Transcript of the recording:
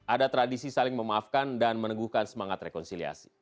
ada tradisi saling memaafkan dan meneguhkan semangat rekonsiliasi